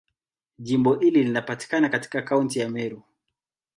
Jimbo hili linapatikana katika Kaunti ya Meru.